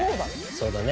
そうだね。